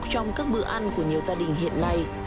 trong các bữa ăn của nhiều gia đình hiện nay